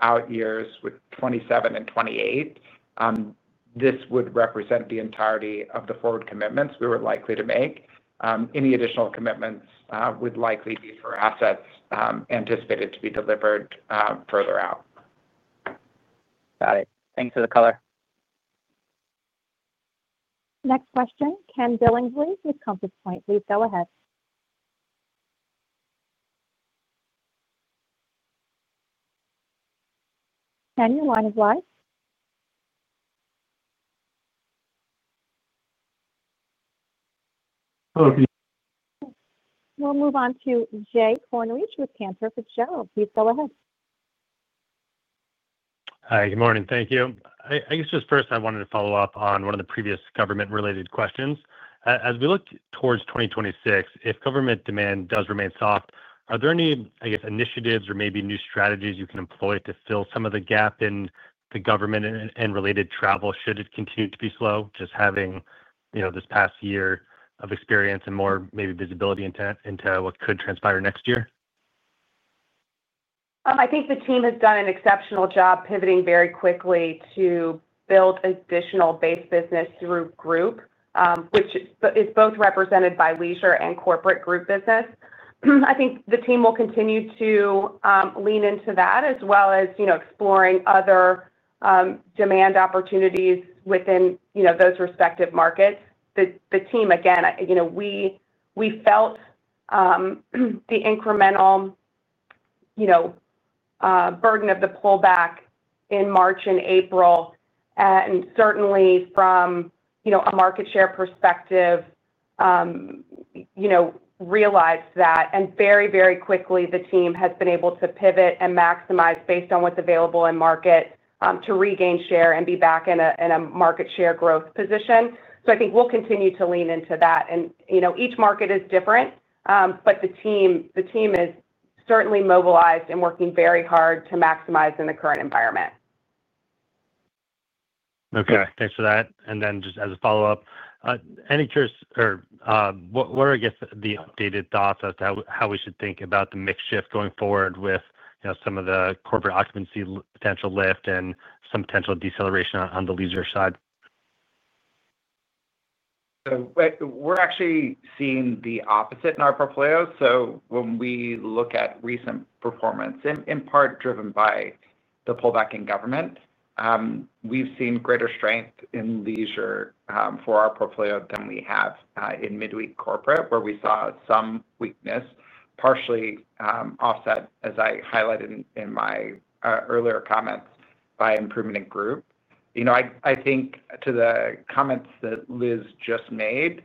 out years with 2027 and 2028. This would represent the entirety of the forward commitments we were likely to make. Any additional commitments would likely be for assets anticipated to be delivered further out. Got it. Thanks for the color. Next question, Ken Billingsley with Compass Point. Please go ahead. Ken, your line is live. Hello. We'll move on to Jay Kornreich with Cantor Fitzgerald. Please go ahead. Hi. Good morning. Thank you. I guess just first, I wanted to follow up on one of the previous government-related questions. As we look towards 2026, if government demand does remain soft, are there any, I guess, initiatives or maybe new strategies you can employ to fill some of the gap in the government and related travel should it continue to be slow, just having this past year of experience and more maybe visibility into what could transpire next year? I think the team has done an exceptional job pivoting very quickly to build additional base business through group, which is both represented by leisure and corporate group business. I think the team will continue to lean into that as well as exploring other demand opportunities within those respective markets. The team, again, we felt the incremental burden of the pullback in March and April. And certainly from a market share perspective, realized that. And very, very quickly, the team has been able to pivot and maximize based on what's available in market to regain share and be back in a market share growth position. So I think we'll continue to lean into that. And each market is different, but the team is certainly mobilized and working very hard to maximize in the current environment. Okay. Thanks for that. And then just as a follow-up. I'm curious, or what are, I guess, the updated thoughts as to how we should think about the mix shift going forward with some of the corporate occupancy potential lift and some potential deceleration on the leisure side? We're actually seeing the opposite in our portfolio. So when we look at recent performance, in part driven by the pullback in government. We've seen greater strength in leisure for our portfolio than we have in midweek corporate, where we saw some weakness partially offset, as I highlighted in my earlier comments, by improvement in group. I think to the comments that Liz just made,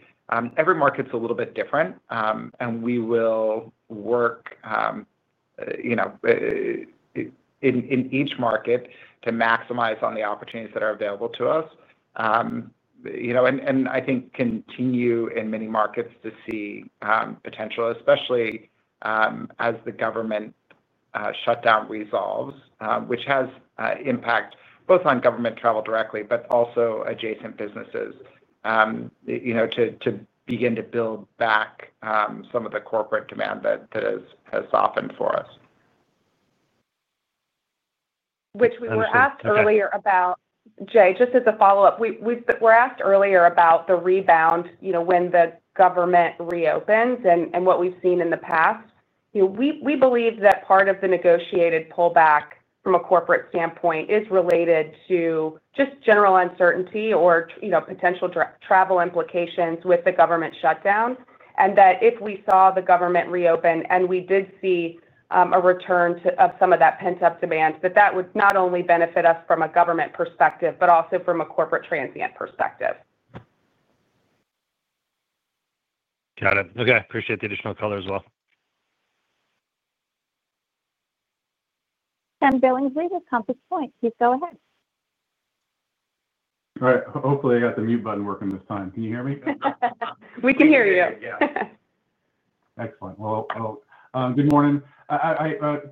every market's a little bit different, and we will work in each market to maximize on the opportunities that are available to us. And I think continue in many markets to see potential, especially as the government shutdown resolves, which has impact both on government travel directly but also adjacent businesses to begin to build back some of the corporate demand that has softened for us. Which we were asked earlier about, Jay, just as a follow-up. We were asked earlier about the rebound when the government reopens and what we've seen in the past. We believe that part of the negotiated pullback from a corporate standpoint is related to just general uncertainty or potential travel implications with the government shutdown, and that if we saw the government reopen and we did see a return of some of that pent-up demand, that that would not only benefit us from a government perspective but also from a corporate transient perspective. Got it. Okay. Appreciate the additional color as well. K Ken Billingsley with Compass Point. Please go ahead. All right. Hopefully, I got the mute button working this time. Can you hear me? We can hear you. Yeah. Excellent. Well, good morning.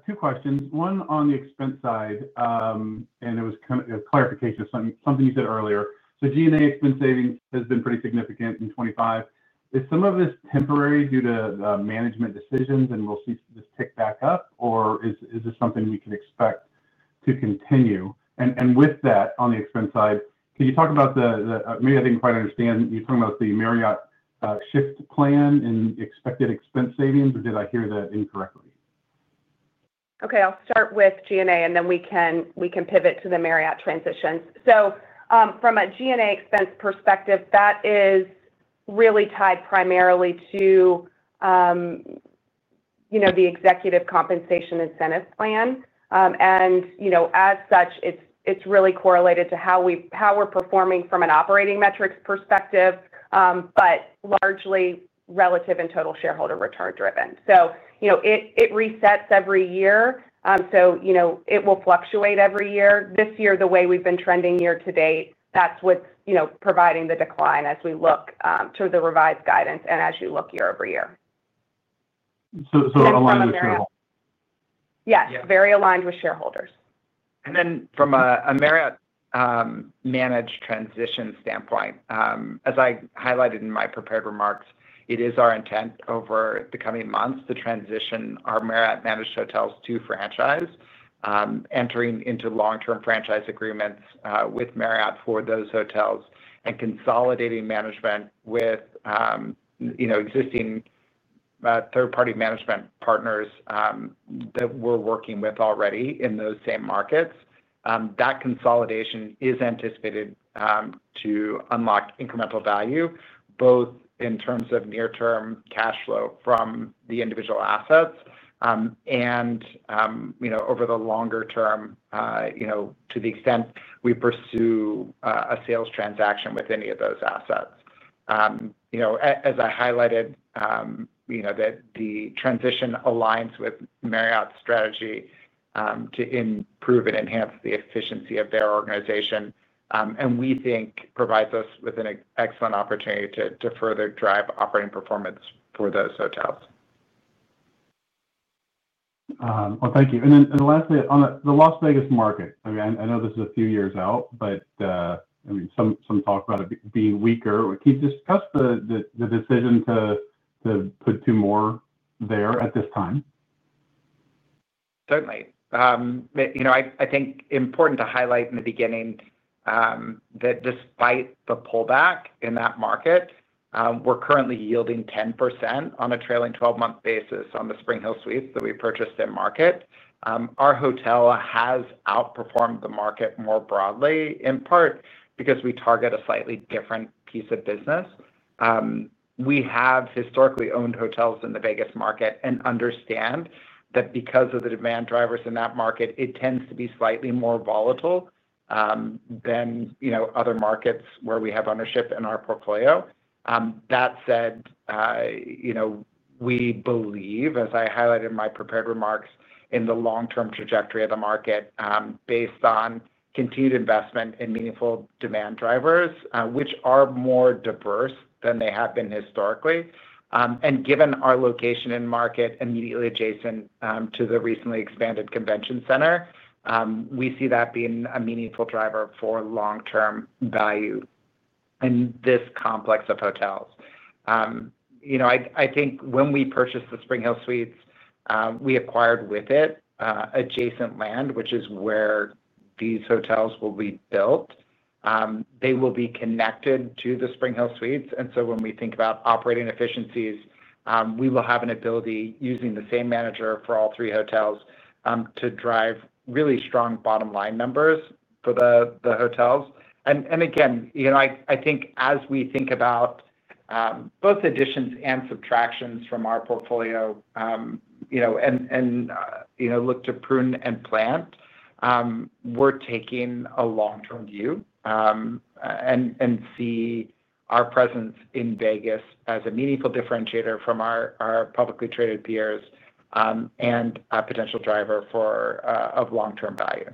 Two questions. One on the expense side. And it was a clarification of something you said earlier. So G&A expense savings has been pretty significant in 2025. Is some of this temporary due to management decisions, and we'll see this tick back up, or is this something we can expect to continue? And with that, on the expense side, can you talk about the, maybe I didn't quite understand, you're talking about the Marriott shift plan in expected expense savings, or did I hear that incorrectly? Okay. I'll start with G&A, and then we can pivot to the Marriott transitions. So from a G&A expense perspective, that is really tied primarily to the executive compensation incentive plan. And as such, it's really correlated to how we're performing from an operating metrics perspective, but largely relative and total shareholder return-driven. So it resets every year, so it will fluctuate every year. This year, the way we've been trending year to date, that's what's providing the decline as we look to the revised guidance and as you look year-over-year. So aligned with shareholders? Yes. Very aligned with shareholders. And then from a Marriott managed transition standpoint, as I highlighted in my prepared remarks, it is our intent over the coming months to transition our Marriott-managed hotels to franchise, entering into long-term franchise agreements with Marriott for those hotels and consolidating management with existing third-party management partners that we're working with already in those same markets. That consolidation is anticipated to unlock incremental value, both in terms of near-term cash flow from the individual assets and over the longer term to the extent we pursue a sales transaction with any of those assets. As I highlighted, that the transition aligns with Marriott's strategy to improve and enhance the efficiency of their organization, and we think provides us with an excellent opportunity to further drive operating performance for those hotels. Well, thank you. And then lastly, on the Las Vegas market, I mean, I know this is a few years out, but I mean, some talk about it being weaker. Can you discuss the decision to put two more there at this time? Certainly. I think it's important to highlight in the beginning that despite the pullback in that market we're currently yielding 10% on a trailing 12-month basis on the SpringHill Suites that we purchased in market. Our hotel has outperformed the market more broadly, in part because we target a slightly different piece of business. We have historically owned hotels in the Vegas market and understand that because of the demand drivers in that market, it tends to be slightly more volatile than other markets where we have ownership in our portfolio. That said we believe, as I highlighted in my prepared remarks, in the long-term trajectory of the market based on continued investment in meaningful demand drivers, which are more diverse than they have been historically. And given our location in market immediately adjacent to the recently expanded convention center, we see that being a meaningful driver for long-term value in this complex of hotels. I think when we purchased the SpringHill Suites, we acquired with it adjacent land, which is where these hotels will be built. They will be connected to the SpringHill Suites. And so when we think about operating efficiencies, we will have an ability, using the same manager for all three hotels, to drive really strong bottom line numbers for the hotels. And again, I think as we think about both additions and subtractions from our portfolio and look to prune and plant. We're taking a long-term view and see our presence in Vegas as a meaningful differentiator from our publicly traded peers and a potential driver of long-term value.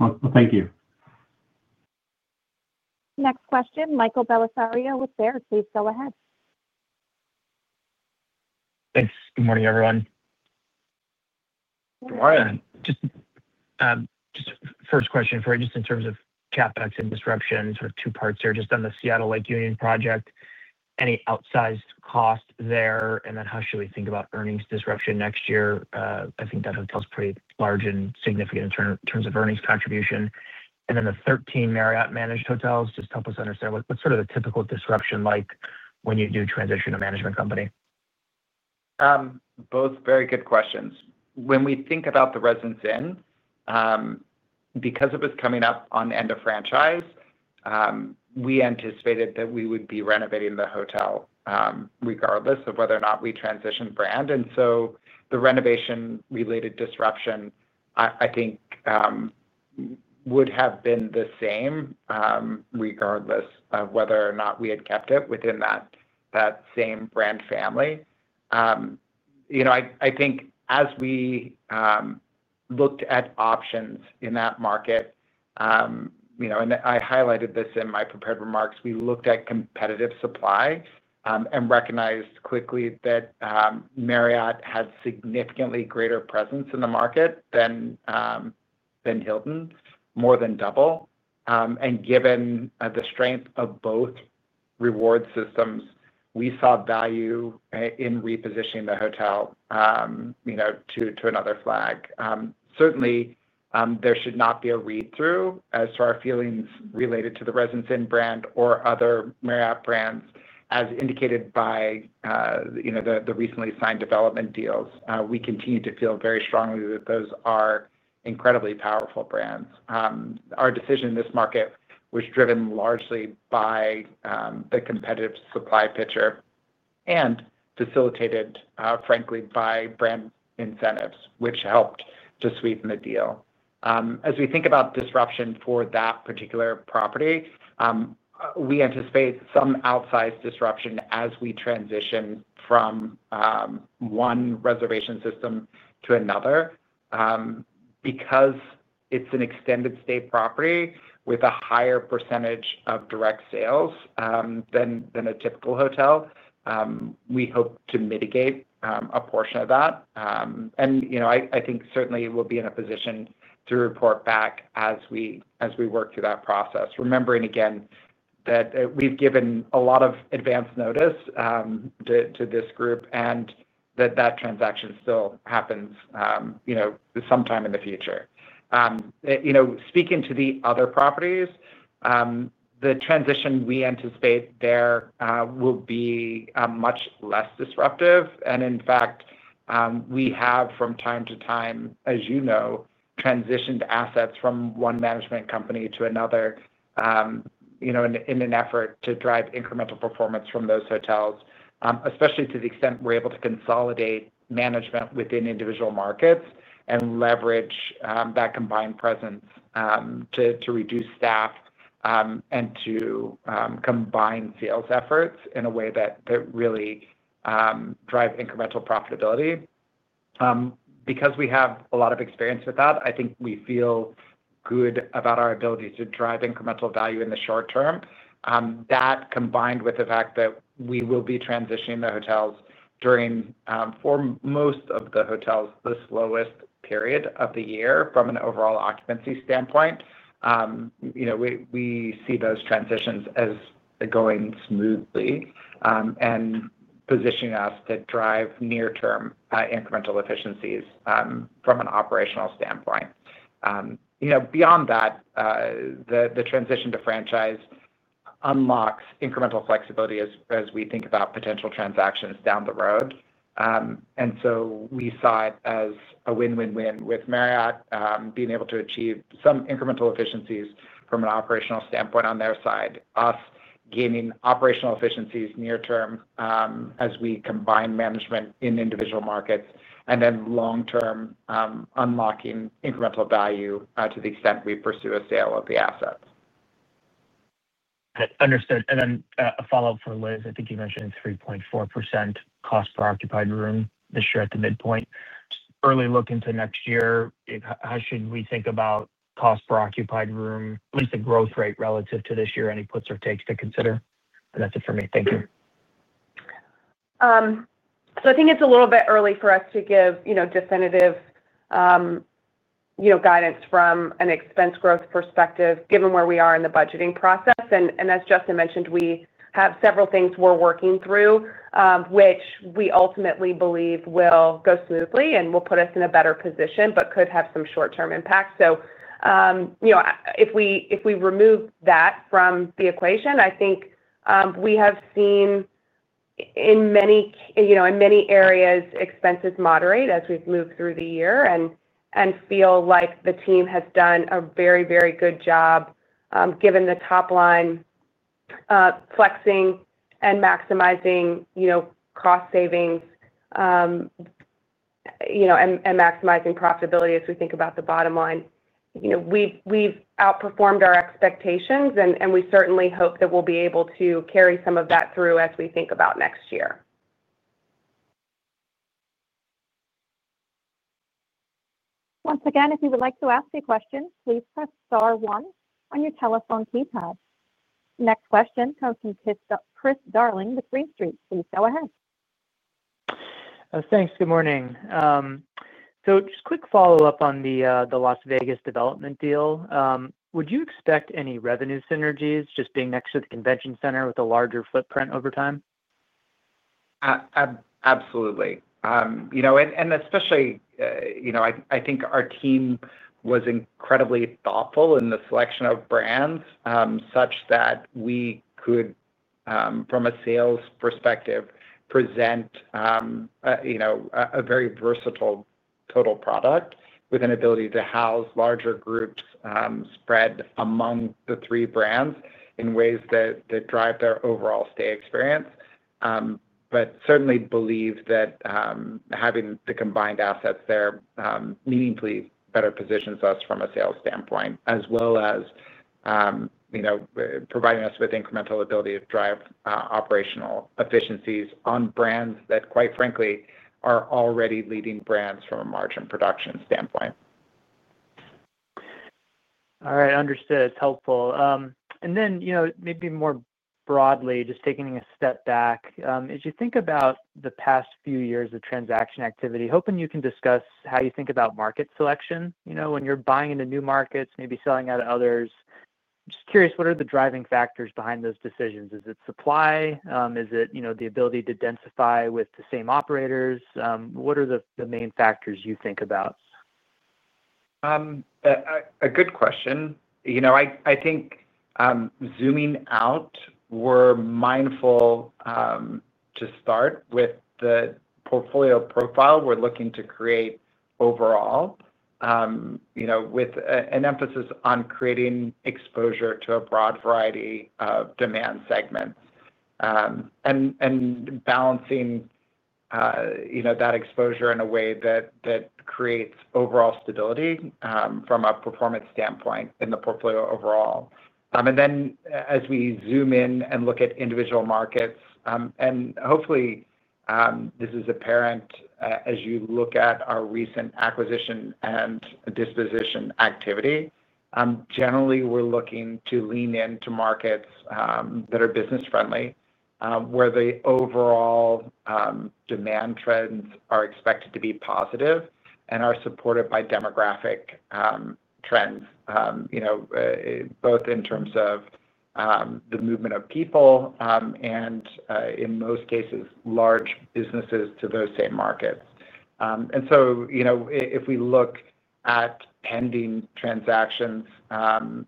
Well, thank you. Next question, Michael Bellisario with Baird. Please go ahead. Thanks. Good morning, everyone. Good morning. Just first question for you, just in terms of CapEx and disruption, sort of two parts here. Just on the Seattle Lake Union project, any outsized cost there? And then how should we think about earnings disruption next year? I think that hotel's pretty large and significant in terms of earnings contribution. And then the 13 Marriott-managed hotels, just help us understand what's sort of the typical disruption like when you do transition to a management company? Both very good questions. When we think about the Residence Inn. Because it was coming up on end of franchise. We anticipated that we would be renovating the hotel. Regardless of whether or not we transitioned brand. And so the renovation-related disruption, I think, would have been the same. Regardless of whether or not we had kept it within that same brand family. I think as we looked at options in that market. And I highlighted this in my prepared remarks. We looked at competitive supply and recognized quickly that Marriott had significantly greater presence in the market than Hilton, more than double. And given the strength of both reward systems, we saw value in repositioning the hotel to another flag. Certainly, there should not be a read-through as to our feelings related to the Residence Inn brand or other Marriott brands, as indicated by the recently signed development deals. We continue to feel very strongly that those are incredibly powerful brands. Our decision in this market was driven largely by the competitive supply picture and facilitated, frankly, by brand incentives, which helped to sweeten the deal. As we think about disruption for that particular property. We anticipate some outsized disruption as we transition from one reservation system to another. Because it's an extended-stay property with a higher percentage of direct sales than a typical hotel. We hope to mitigate a portion of that. And I think certainly we'll be in a position to report back as we work through that process, remembering again that we've given a lot of advance notice to this group and that that transaction still happens sometime in the future. Speaking to the other properties. The transition we anticipate there will be much less disruptive. And in fact, we have, from time to time, as you know, transitioned assets from one management company to another. In an effort to drive incremental performance from those hotels, especially to the extent we're able to consolidate management within individual markets and leverage that combined presence to reduce staff and to combine sales efforts in a way that really drives incremental profitability. Because we have a lot of experience with that, I think we feel good about our ability to drive incremental value in the short term. That combined with the fact that we will be transitioning the hotels during, for most of the hotels, the slowest period of the year from an overall occupancy standpoint. We see those transitions as going smoothly and positioning us to drive near-term incremental efficiencies from an operational standpoint. Beyond that, the transition to franchise unlocks incremental flexibility as we think about potential transactions down the road. And so we saw it as a win-win-win with Marriott being able to achieve some incremental efficiencies from an operational standpoint on their side, us gaining operational efficiencies near-term as we combine management in individual markets, and then long-term unlocking incremental value to the extent we pursue a sale of the assets. Understood. And then a follow-up for Liz. I think you mentioned 3.4% cost per occupied room this year at the midpoint. Early look into next year, how should we think about cost per occupied room, at least the growth rate relative to this year, any puts or takes to consider? And that's it for me. Thank you. So I think it's a little bit early for us to give definitive guidance from an expense growth perspective, given where we are in the budgeting process. And as Justin mentioned, we have several things we're working through which we ultimately believe will go smoothly and will put us in a better position but could have some short-term impact. So if we remove that from the equation, I think we have seen in many areas expenses moderate as we've moved through the year and feel like the team has done a very, very good job given the top line flexing and maximizing cost savings and maximizing profitability as we think about the bottom line. We've outperformed our expectations, and we certainly hope that we'll be able to carry some of that through as we think about next year. Once again, if you would like to ask a question, please press star one on your telephone keypad. Next question comes from Chris Darling with Green Street. Please go ahead. Thanks. Good morning. So just a quick follow-up on the Las Vegas development deal. Would you expect any revenue synergies just being next to the convention center with a larger footprint over time? Absolutely. And especially, I think our team was incredibly thoughtful in the selection of brands such that we could, from a sales perspective, present a very versatile total product with an ability to house larger groups spread among the three brands in ways that drive their overall stay experience. But certainly believe that. Having the combined assets there meaningfully better positions us from a sales standpoint, as well as providing us with incremental ability to drive operational efficiencies on brands that, quite frankly, are already leading brands from a margin production standpoint. All right. Understood. It's helpful. And then maybe more broadly, just taking a step back, as you think about the past few years of transaction activity, hoping you can discuss how you think about market selection when you're buying into new markets, maybe selling out to others. Just curious, what are the driving factors behind those decisions? Is it supply? Is it the ability to densify with the same operators? What are the main factors you think about? A good question. I think zooming out, we're mindful to start with the portfolio profile we're looking to create overall, with an emphasis on creating exposure to a broad variety of demand segments and balancing that exposure in a way that creates overall stability from a performance standpoint in the portfolio overall. And then as we zoom in and look at individual markets, and hopefully this is apparent as you look at our recent acquisition and disposition activity, generally we're looking to lean into markets that are business-friendly where the overall demand trends are expected to be positive and are supported by demographic trends, both in terms of the movement of people and in most cases large businesses to those same markets. And so if we look at pending transactions and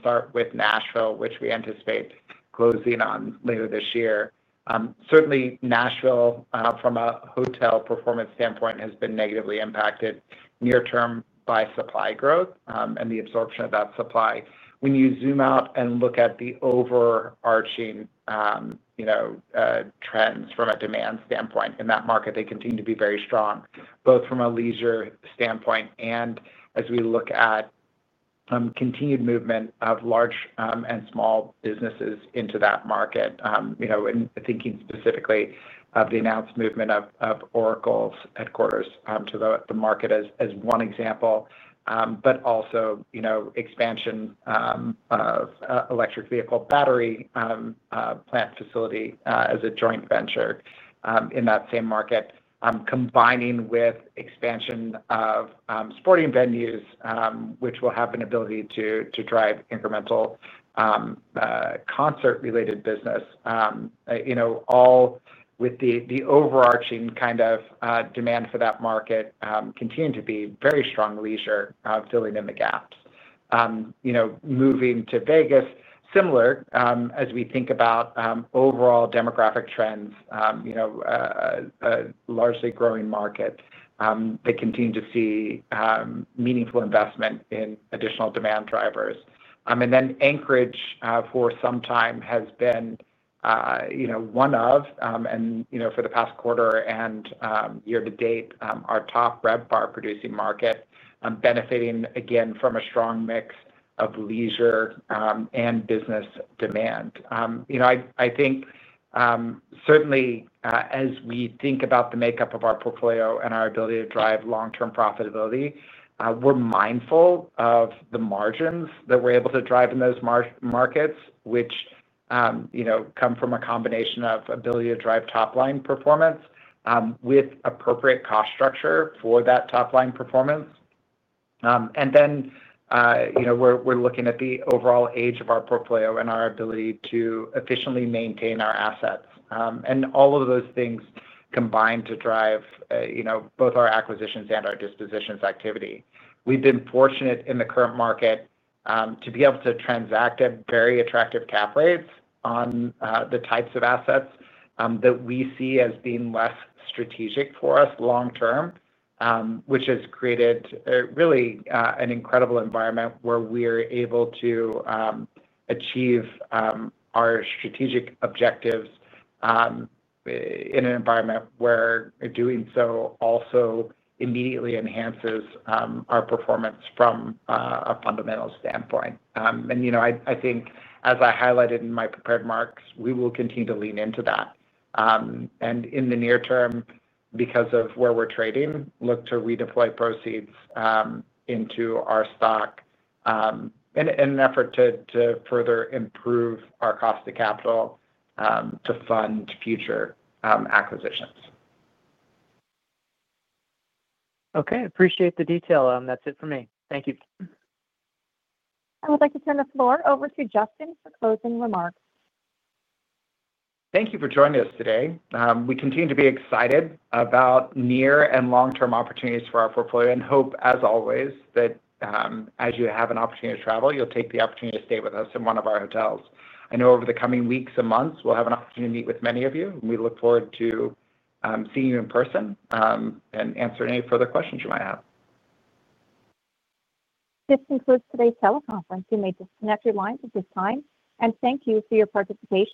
start with Nashville, which we anticipate closing on later this year, certainly Nashville from a hotel performance standpoint has been negatively impacted near-term by supply growth and the absorption of that supply. When you zoom out and look at the overarching trends from a demand standpoint in that market, they continue to be very strong, both from a leisure standpoint and as we look at continued movement of large and small businesses into that market. And thinking specifically of the announced movement of Oracle's headquarters to the market as one example, but also expansion of electric vehicle battery plant facility as a joint venture in that same market, combining with expansion of sporting venues, which will have an ability to drive incremental concert-related business, all with the overarching kind of demand for that market continuing to be very strong leisure, filling in the gaps. Moving to Vegas, similar as we think about overall demographic trends, a largely growing market that continues to see meaningful investment in additional demand drivers. And then Anchorage, for some time has been one of, and for the past quarter and year to date, our top RevPAR-producing market, benefiting again from a strong mix of leisure and business demand. I think certainly, as we think about the makeup of our portfolio and our ability to drive long-term profitability, we're mindful of the margins that we're able to drive in those markets, which. comes from a combination of ability to drive top-line performance with appropriate cost structure for that top-line performance. And then we're looking at the overall age of our portfolio and our ability to efficiently maintain our assets. And all of those things combine to drive both our acquisitions and our dispositions activity. We've been fortunate in the current market to be able to transact at very attractive cap rates on the types of assets that we see as being less strategic for us long-term, which has created really an incredible environment where we're able to achieve our strategic objectives in an environment where doing so also immediately enhances our performance from a fundamental standpoint. And I think, as I highlighted in my prepared remarks, we will continue to lean into that. And in the near term, because of where we're trading, look to redeploy proceeds into our stock in an effort to further improve our cost of capital to fund future acquisitions. Okay. Appreciate the detail. That's it for me. Thank you. I would like to turn the floor over to Justin for closing remarks. Thank you for joining us today. We continue to be excited about near and long-term opportunities for our portfolio and hope, as always, that as you have an opportunity to travel, you'll take the opportunity to stay with us in one of our hotels. I know over the coming weeks and months, we'll have an opportunity to meet with many of you, and we look forward to seeing you in person and answering any further questions you might have. This concludes today's teleconference. You may disconnect your lines at this time. And thank you for your participation.